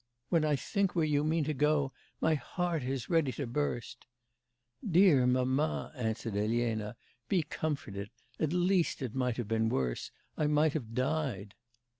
When I think where you mean to go, my heart is ready to burst!' 'Dear mamma,' answered Elena, 'be comforted; at least, it might have been worse; I might have died.